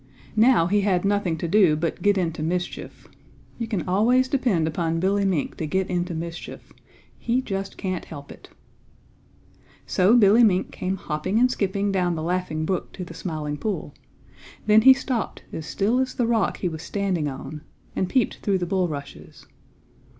Now he had nothing to do but get into mischief. You can always depend upon Billy Mink to get into mischief. He just can't help it. So Billy Mink came hopping and skipping down the Laughing Brook to the Smiling Pool. Then he stopped, as still as the rock he was standing on, and peeped through the bulrushes.